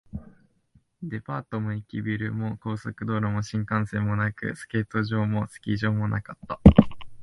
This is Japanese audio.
デパートも駅ビルも、高速道路も新幹線もなく、スケート場もスキー場もなかった